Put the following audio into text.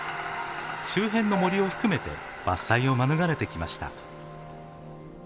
周辺の森を含めて伐採を免れてきました。